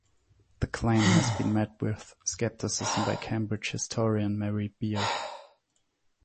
The claim has been met with scepticism by Cambridge historian Mary Beard.